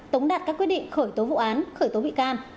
tống đạt các quyết định khởi tố vụ án khởi tố bị can